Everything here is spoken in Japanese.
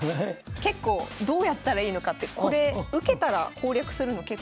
結構どうやったらいいのかってこれ受けたら攻略するの結構大変かもしれない。